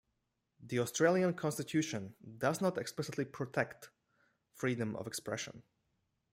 The Australian Constitution does not explicitly protect freedom of expression.